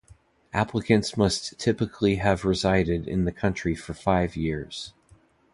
Applicants must typically have resided in the country for five years.